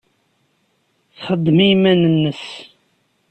Txeddem i yiman-nnes.